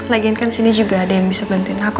lagian kan sini juga ada yang bisa bantuin apa